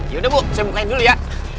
yaudah bu saya mau main dulu ya